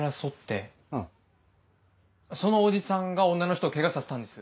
そのおじさんが女の人をケガさせたんです。